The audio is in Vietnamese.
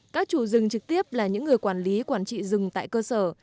các chủ rừng trực tiếp là những người quản lý quản trị rừng tại cơ sở